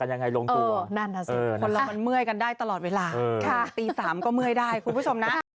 มีขอร้องนะ